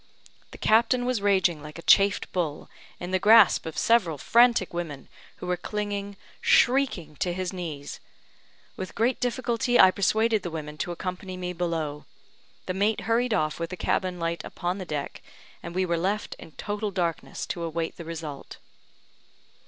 The captain was raging like a chafed bull, in the grasp of several frantic women, who were clinging, shrieking, to his knees. With great difficulty I persuaded the women to accompany me below. The mate hurried off with the cabin light upon the deck, and we were left in total darkness to await the result.